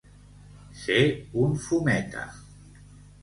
Ser un fumeta.